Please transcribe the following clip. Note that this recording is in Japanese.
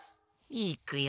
いくよ！